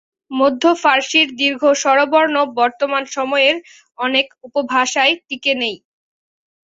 মধ্য ফার্সির দীর্ঘ স্বরবর্ণ বর্তমান সময়ের অনেক উপভাষায় টিকে নেই।